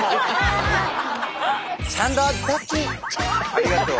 ありがとう。